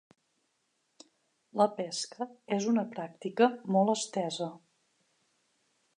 La pesca és una pràctica molt estesa.